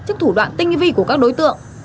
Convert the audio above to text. chức thủ đoạn tinh vi của các đối tượng